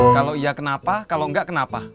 kalau iya kenapa kalau enggak kenapa